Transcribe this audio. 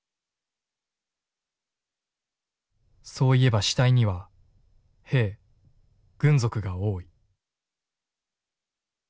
「そういえば死体には兵軍属が多い」。